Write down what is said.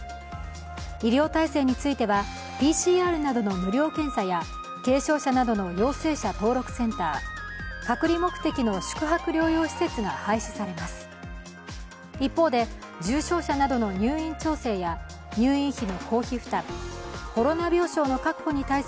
医療体制については、ＰＣＲなどの無料検査や軽症者などの陽性者登録センター隔離目的の宿泊療養施設が廃止されます。